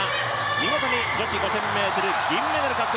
見事に女子５０００ｍ銀メダル獲得。